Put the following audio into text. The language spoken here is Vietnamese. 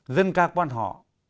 dân ca quan họ